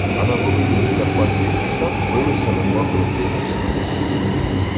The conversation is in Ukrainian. А на Волині й в карпатських лісах билися на два фронти повстанці.